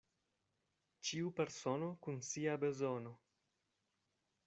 Ĉiu persono kun sia bezono.